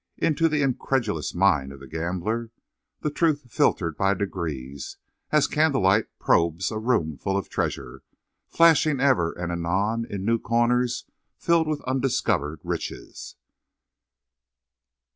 Into the incredulous mind of the gambler the truth filtered by degrees, as candlelight probes a room full of treasure, flashing ever and anon into new corners filled with undiscovered riches.